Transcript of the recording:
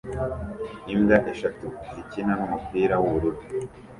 Imbwa eshatu zikina n'umupira w'ubururu